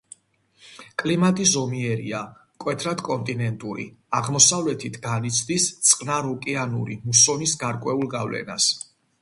კლიმატი ზომიერია, მკვეთრად კონტინენტური, აღმოსავლეთით განიცდის წყნაროკეანური მუსონის გარკვეულ გავლენას.